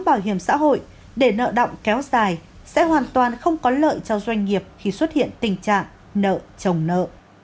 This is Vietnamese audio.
bảo hiểm xã hội để nợ động kéo dài sẽ hoàn toàn không có lợi cho doanh nghiệp khi xuất hiện tình trạng nợ chồng nợ